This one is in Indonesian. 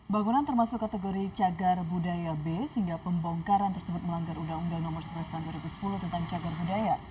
bangunan termasuk kategori cagar budaya b sehingga pembongkaran tersebut melanggar undang undang nomor sebelas tahun dua ribu sepuluh tentang cagar budaya